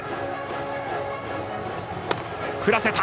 振らせた！